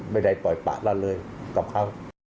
ไม่ได้ปล่อยปะรั่นเลยกับเขา